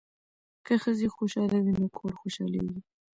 که ښځې خوشحاله وي نو کور خوشحالیږي.